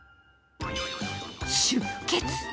出血。